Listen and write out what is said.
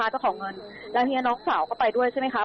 เจ้าของเงินแล้วทีนี้น้องสาวก็ไปด้วยใช่ไหมคะ